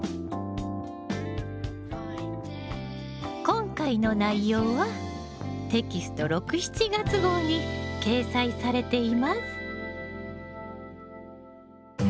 今回の内容はテキスト６・７月号に掲載されています。